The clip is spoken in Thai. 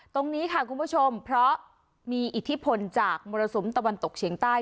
ตรงนี้ค่ะคุณผู้ชมเพราะมีอิทธิพลจากมรสุมตะวันตกเฉียงใต้